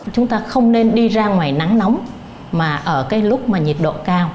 chúng ta không nên đi ra ngoài nắng nóng mà ở cái lúc mà nhiệt độ cao